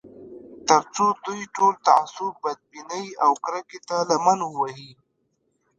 تر څو دوی ټول تعصب، بدبینۍ او کرکې ته لمن ووهي